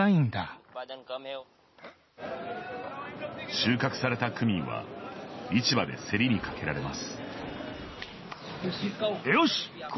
収穫されたクミンは市場で競りにかけられます。